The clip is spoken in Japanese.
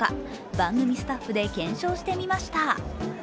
番組スタッフで検証してみました。